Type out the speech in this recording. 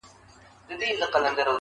یو یار مي ته یې شل مي نور نیولي دینه!.